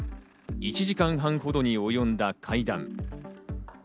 １時間半ほどにおよんだ会談。